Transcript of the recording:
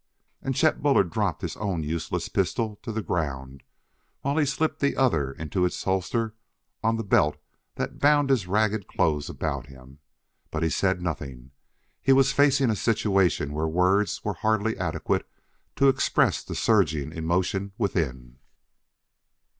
And Chet Bullard dropped his own useless pistol to the ground while he slipped the other into its holster on the belt that bound his ragged clothes about him, but he said nothing. He was facing a situation where words were hardly adequate to express the surging emotion within.